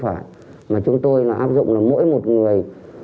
anh nói với em này